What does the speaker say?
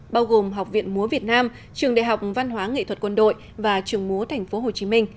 bao gồm học viện múa việt nam trường đại học văn hóa nghệ thuật quân đội và trường múa tp hcm